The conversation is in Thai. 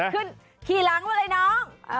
ขึ้นขี่หลังมาเลยน้อง